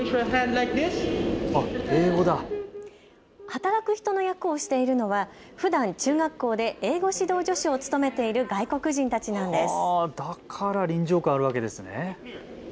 働く人の役をしているのはふだん中学校で英語指導助手を務めている外国人たちなんです。